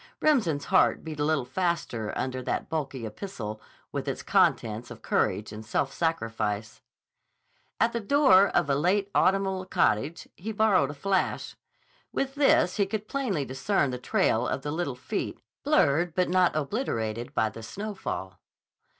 Remsen's heart beat a little faster under that bulky epistle with its contents of courage and self sacrifice. At the door of a late autumnal cottage he borrowed a flash. With this he could plainly discern the trail of the little feet, blurred but not obliterated by the snowfall.